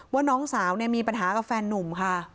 ว่าน้องสาวมีประหนักกับแฟนหนุ่ม